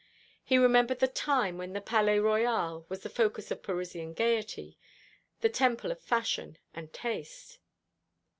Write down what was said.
He remembered the time when the Palais Royal was the focus of Parisian gaiety, the temple of fashion and taste.